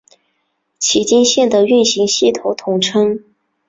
崎京线的运行系统通称。